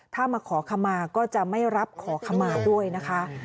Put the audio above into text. ถ้ามาขอขมาก็จะไม่รับขอขมาด้วยนะคะ